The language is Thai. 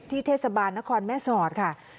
เทศบาลนครแม่สอดค่ะ